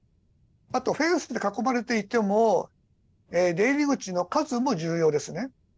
あとフェンスで囲まれていても出入り口の数も重要ですね。